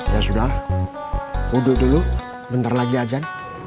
ya sudah udu dulu bentar lagi ajan